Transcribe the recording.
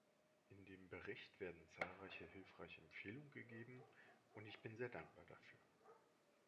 In dem Bericht werden zahlreiche hilfreiche Empfehlungen gegeben, und ich bin sehr dankbar dafür.